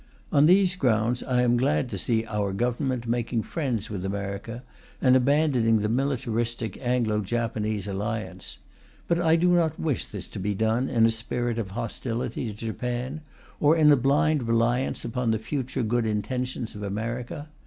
On these grounds, I am glad to see our Government making friends with America and abandoning the militaristic Anglo Japanese Alliance. But I do not wish this to be done in a spirit of hostility to Japan, or in a blind reliance upon the future good intentions of America.